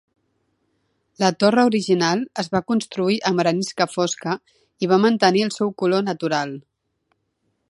La torre original es va construir amb arenisca fosca i va mantenir el seu color natural.